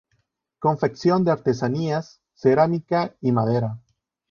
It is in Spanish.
Confección de artesanías, cerámica y madera.